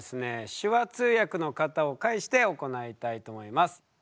手話通訳の方を介して行いたいと思います。